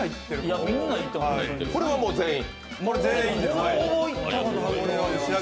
これはもう全員？